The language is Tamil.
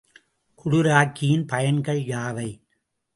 குளிராக்கியின் பயன்கள் யாவை?